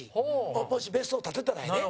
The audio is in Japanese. もし、別荘、建てたらやで。